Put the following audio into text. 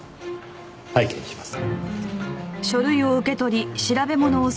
拝見します。